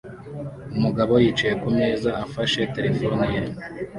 umugabo yicaye kumeza afashe terefone ye